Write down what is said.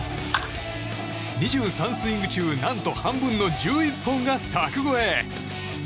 ２３スイング中、何と半分の１１本が柵越え！